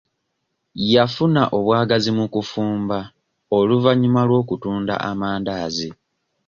Yafuna obwagazi mu kufumba oluvannyuma lw'okutunda amandaazi.